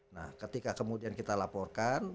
nah ketika kemudian kita laporkan